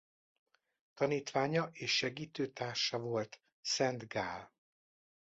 Tanítványa és segítőtársa volt Szent Gál.